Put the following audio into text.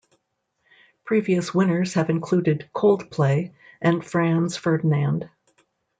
Previous winners have included Coldplay and Franz Ferdinand.